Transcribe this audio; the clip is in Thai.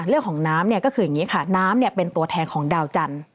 เรื่องของน้ำก็คืออย่างนี้ค่ะน้ำเป็นตัวแทนของดาวจันทร์